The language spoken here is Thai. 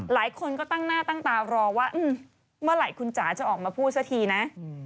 หลายคนก็ตั้งหน้าตั้งตารอว่าเมื่อไหร่คุณจ๋าจะออกมาพูดซะทีนะ